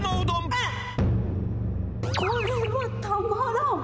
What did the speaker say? これはたまらん！